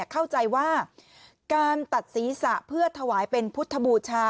เข้าใจว่าการตัดศีรษะเพื่อถวายเป็นพุทธบูชา